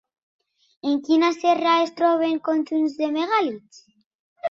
En quina serra es troben conjunts de megàlits?